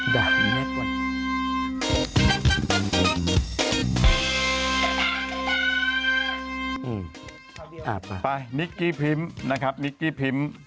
แบบนี้ไปนิกกี้พิมพ์นะครับนิกกี้พิมพ์